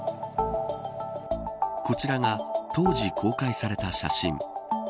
こちらが当時公開された写真。